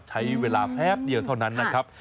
ใช้เวลาแพบเดียวเท่านั้นนะครับ